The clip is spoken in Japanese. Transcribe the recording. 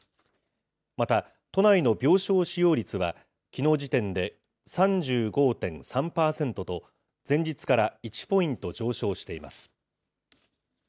また、都内の病床使用率は、きのう時点で３５．３％と、前日から１ポイント上昇しています。